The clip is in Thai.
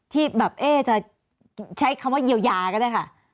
ที่แบบเอ๊ะจะใช้คำว่าเยียวยาก็ได้ค่ะ